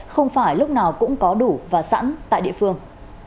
không phải lúc nào cũng có đủ và sẵn tại địa phương